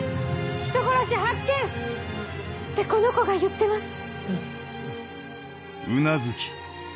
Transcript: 人殺し発見！ってこの子が言ってます。